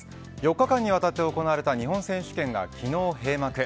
４日間にわたって行われた日本選手権が昨日閉幕。